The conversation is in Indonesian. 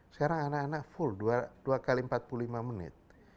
sekarang anak anak full dua x empat puluh lima menit